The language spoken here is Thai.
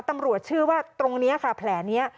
ตำรวจเชื่อว่าตรงนี้ค่ะแผลนี้